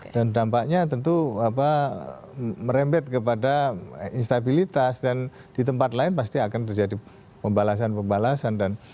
dan dampaknya tentu merembet kepada instabilitas dan di tempat lain pasti akan terjadi pembalasan pembalasan dan